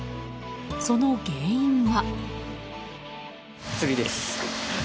その原因は。